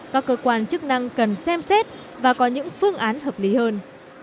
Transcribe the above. các cơ quan chức năng cần xem xét và có những phương án hợp lý hơn